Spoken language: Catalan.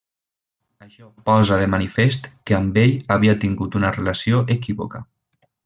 Això posa de manifest que amb ell havia tingut una relació equívoca.